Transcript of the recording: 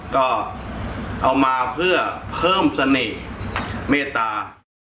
ก็เอามาเพื่อเพิ่มเสน่ห์เมตตา